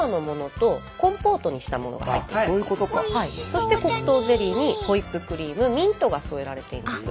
そして黒糖ゼリーにホイップクリームミントが添えられています。